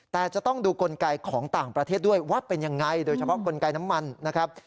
แต่จะต้องดูกลไกของต่างประเทศด้วยว่าเป็นยังไงโดยเฉพาะกลไกน้ำมันนะครับ